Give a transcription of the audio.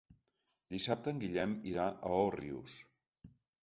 Dissabte en Guillem irà a Òrrius.